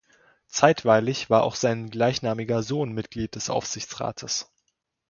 Zeitweilig war auch sein gleichnamiger Sohn Mitglied des Aufsichtsrates.